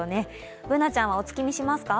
Ｂｏｏｎａちゃんはお月見しますか？